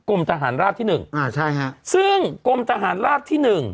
กรมทหารราบที่หนึ่งอ่าใช่ฮะซึ่งกรมทหารราบที่หนึ่ง